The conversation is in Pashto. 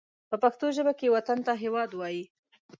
په پښتو ژبه کې وطن ته هېواد وايي